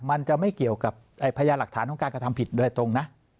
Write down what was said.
มันจะไม่เกี่ยวกับพยาหลักฐานของการกระทำผิดโดยตรงนะ